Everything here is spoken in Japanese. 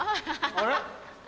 あれ？